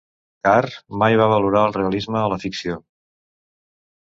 Carr mai va valorar el realisme a la ficció.